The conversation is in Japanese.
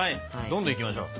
どんどんいきましょう。